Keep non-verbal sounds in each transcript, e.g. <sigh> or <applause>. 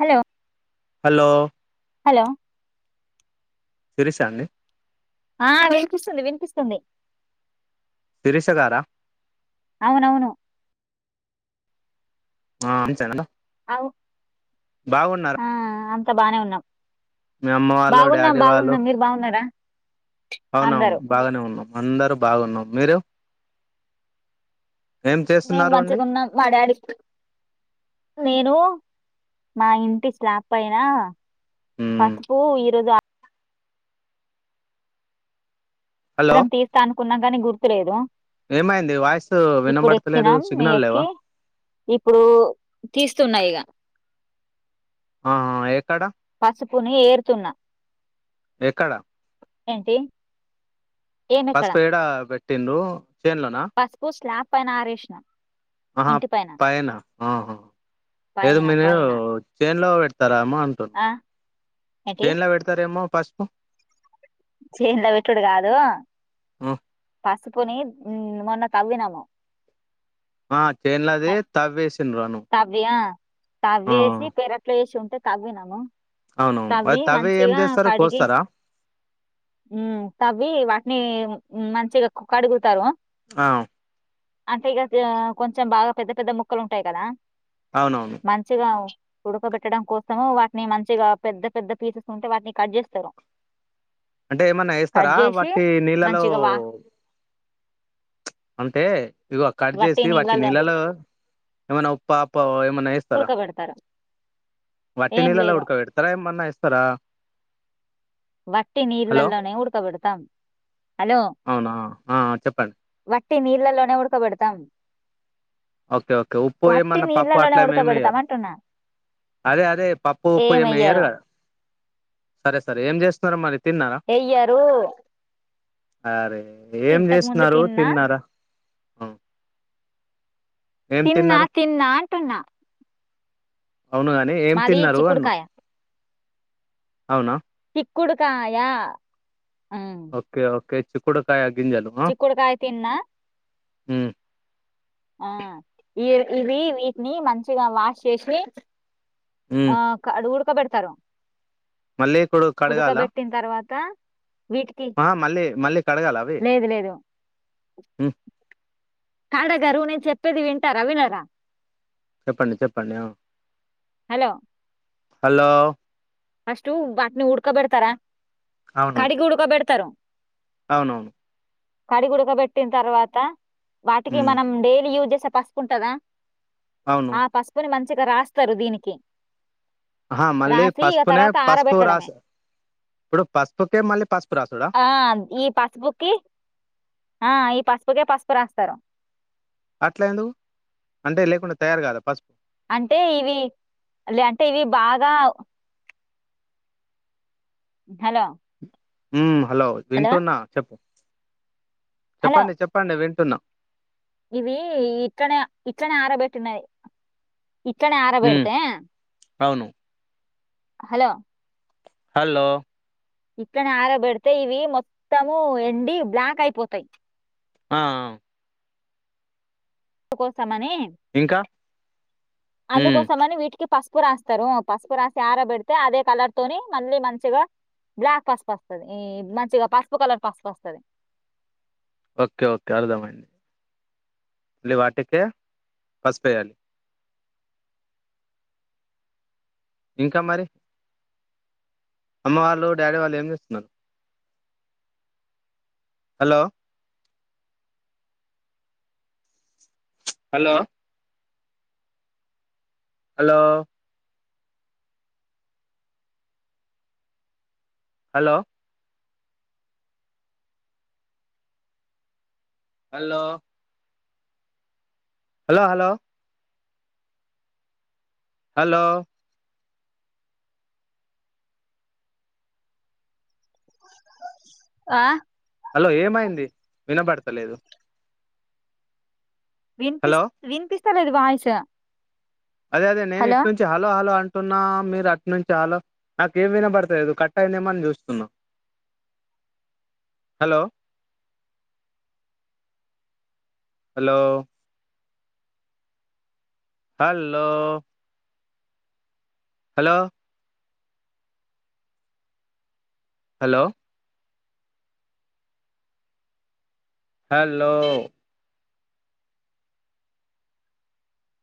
Hello hello hello Shirisha అండి ఆ వినిపిస్తుంది వినిపిస్తుంది శిరీష గారా అవునవును ఆ <unintelligible> అ బాగున్నారా ఆ అంత బానే ఉన్నాం మీ అమ్మ వాళ్ళు బాగున్నాం డాడీ వాళ్ళు బాగున్నాం మీరు బాగున్నారా అవునవును అందరూ బాగానే ఉన్నాం అందరుూ బాగున్నాం మీరు ఏం మేము చేస్తున్నారు అండి మంచికున్నాం మా డాడీ నేను మా ఇంటి స్లాప్ పైన మ్మ్ పసుపు ఈరోజు హలో ఇరం తీస్తా అనుకున్నాం కాని గుర్తులేదు ఏమైంది వాయిస్ ఇప్పుడు వినబడతలేదు ఎక్కినాం మీ సిగ్నల్ లేవా ఎక్కి ఇప్పుడు తీస్తున్న ఇక ఆ పసుపుని ఏరుతున్నా ఎక్కడ ఏంటి ఏమెక్కడ పసుపు ఏడ పెట్టి పెట్టిన్రూ పసుపు స్లాప్ పైన ఆరేసిన ఆహా పైన ఆహా ఏదో పైన మీరు పైన చేన్ లో పె వస్తారా అమ్ అంటున్నా ఆ ఏంటి చెన్లో పెడతారేమో పసుపు చెన్ల పెట్టుడు కాదు ఆ పసుపుని మొన్న తవ్వినము ఆ చెన్ల దే తవ్వి వేసిన్ల తవ్వి ఆ తవ్వి వేసి పెరట్లో వేసి ఉంటు తవ్వినమూ అవునవును తవ్వి అది ఏం మంచిగా చేస్తారు కడిగి కోస్తారా మ్మ్ తవ్వి వాటిని మ్మ్ మంచిగా కడుగుతారు ఆ అంటే ఇగా కొంచెం బాగా పెద్ద పెద్ద ముక్కలు ఉంటాయి కదా అవునవును మంచిగా ఉడకబెట్టడం కోసము వాటిని మంచిగా పెద్ద పెద్ద పీసెస్ ఉంటే వాటిని కట్ చేస్తారు అంటే ఏమన్నా కట్ ఏస్తారా చేసి వట్టి నీళ్ళలో మంచిగా వా అంటే ఇగ కట్ చేసి వట్టి నీళ్ళలో ఏమన్నా ఉప్ప అప్ప ఏమన్నా ఏస్తారా ఉడకబెడతారు వట్టి ఏం నీళ్ళలో లేదు ఉడకబెడతారా ఏమన్నా ఏస్తారా వట్టి నీళ్ళలోనే ఉడకబెడతాం హలో వట్టి అవునా ఆ చెప్పండి వట్టి నీళ్ళలోనే ఉడకబెడతాం ఓకే ఓకే ఉప్పు వట్టి ఏమన్నా పప్పు నీళ్ళలోనే అట్లా ఉడకబెడతాం ఏమెయ్యారు అంటున్నా అదే అదే పప్పు ఉప్పు ఏం వెయ్యరు ఏమెయ్యరు కదా సరే సరే ఏం చేస్త సరే మరి ఎయ్యరు ఆరే ఏం ఇంతకు ముందు చేస్తున్నారు తిన్నా తిన్నారా హ తిన్నా తిన్నా అంటున్నా అవునుగాని ఏం మాది తిన్నారు అన్న చిక్కుడుకాయ అవునా చిక్కుడుకాయ ఉమ్, ఓకే ఓకే చిక్కుడుకాయ గింజలు చిక్కుడుకాయ తిన్నా హుమ్ ఆ ఈ ఇవి వీటిని మంచిగా వాష్ చేసి ఆ కడుగుడు ఉడక పెడతారు మళ్లీ ఇప్పుడు కడగాలా వీటికి ఆ మళ్ళీ మళ్ళీ కడగాలా అవి లేదు లేదు కడగరు నేను చెప్పేది వింటారా వినరా చెప్పండి చెప్పండి ఓ హలో హలో ఫస్ట్ వాటిని ఉడకబెడతారా కడిగి ఉడుకబేడతారు అవును కడిగుడకబెట్టిన తర్వాత వాటికి ఉమ్, మనం డైలీ యూజ్ చే పసుపుంటద అవును ఆ పసుపుని మంచి గా రాస్తారు దీనికి అహ మళ్ళీ ఇగ పసుపునే తరువాత పసుపు ఆరబెట్టడమే రాసి ఇప్పుడు పసుపుకే మళ్ళీ పసుపు రాసుడా ఆ ఇ పసుపుకి ఆ పాసు ఇదే పసుపురాస్తారు అట్లా ఎందు అంటే లేకుండా తయారు కాదా పసుపు అంటే ఇవి లే అంటే ఇవి బాగా హలో హ హలో వింటున్నా చెప్పు హలో చెప్పండి చెప్పండి వి టున్నా ఇవి ఇట్లనే ఇట్లనే ఆరబెట్టినయి ఇట్లనే ఉమ్, అరబేడితే అవును హలో హలో ఇట్లనే ఆరబెడితే ఇవి మొత్తము ఎండి బ్లాక్ అయిపోతయి ఆ హ అందుకోసం మనీ ఇంకా ఉమ్, అందుకోసమని వీటికి పసు పసుపు రాస్తారు పసుపు రాసి ఆరాబేడితే పసుపు రాస్తరు పసుపు రాసి అరబెడితే అదే కలర్ తోని మళ్ళీ మంచిగా బ్లాక్ పసుపు వస్తుంది ఈ మంచిగా పసుపు కలర్ పసుపస్తది ఓకే ఓకే అర్థమైంది మళ్లీ వాటికే పసుపేయ్యాలి ఇంక మరి అమ్మ వాళ్ళు డాడీ వాళ్ళు ఏం చేస్తున్నరు hello hello hello hello hello hello hello hello ఆ హలో ఏమైంది వినబడతలేదు హలో వినిపిస్ వినిపిస్ తలేదు వాయిస్ అదే అదే నేను ఇట్ నుంచి హలో హలో అన్ టున్నా మీరు అటు నుంచి హలో నాకేం వినబడతలేదు కట్ అయిందేమో అన్ చూస్తున్న. Hello hello hello hello hello hello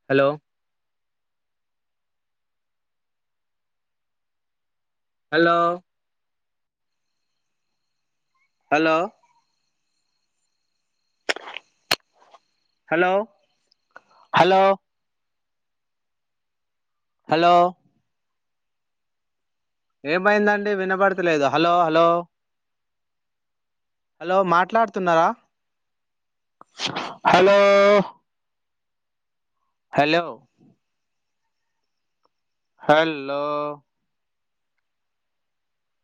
hello hello hello hello hello hello ఏమయిందండి వినబడతలేదు హలో హలో హలో మాట్లాడుతున్నారా హలో హలో హల్లో